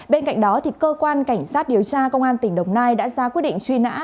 bên cạnh đó cơ quan cảnh sát điều tra công an tỉnh đồng nai đã ra quyết định truy nã